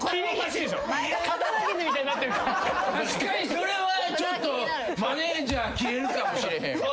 確かにそれはちょっとマネージャーキレるかもしれへんわ。